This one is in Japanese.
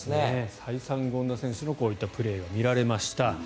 再三、権田選手のこういったプレーが見られました。